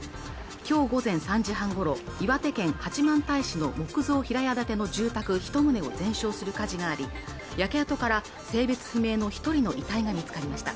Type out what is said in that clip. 今日午前３時半ごろ岩手県八幡平市の木造平屋建ての住宅一棟を全焼する火事があり焼け跡から性別不明の一人の遺体が見つかりました